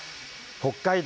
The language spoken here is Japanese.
北海道